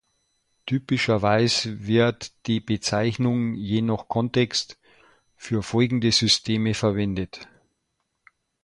Typischerweise wird die Bezeichnung, je nach Kontext, für folgende Systeme verwendet.